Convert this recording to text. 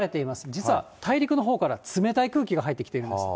実は大陸のほうから冷たい空気が入ってきているんです。